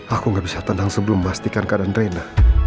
aku gak bisa tenang sebelum memastikan keadaan reina